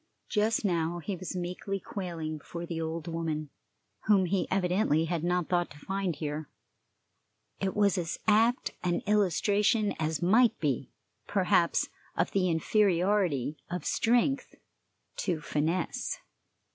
Just now he was meekly quailing before the old woman, whom he evidently had not thought to find here. It was as apt an illustration as might be, perhaps, of the inferiority of strength to finesse.